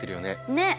ねっ！